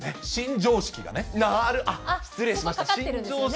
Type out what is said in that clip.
新庄式がね？失礼しました。